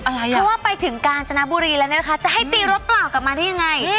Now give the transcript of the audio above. เพราะว่าไปถึงกาญจนบุรีแล้วนะคะจะให้ตีรถเปล่ากลับมาได้ยังไง